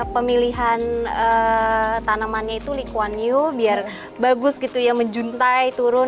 pemilihan tanamannya itu liquan new biar bagus gitu ya menjuntai turun